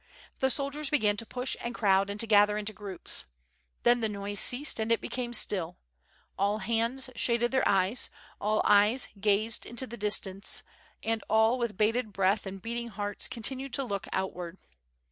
The soldiers began to push and crowd and to gather into groups. Then the noise ceased and it became still; all hands shaded their eyes, all eyes gazed into the distance, and all with bated breath and beating hearts continued to look outward.